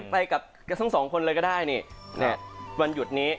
ไปกับแกทั้งสองคนเลยก็ได้นี่วันหยุดนี้